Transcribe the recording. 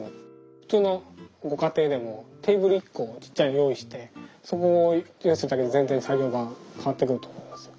普通のご家庭でもテーブル１個用意してそこを用意するだけで全然作業が変わってくると思いますよ。